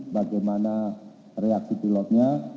bagaimana reaksi pilotnya